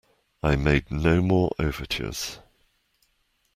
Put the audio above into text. I made no more overtures.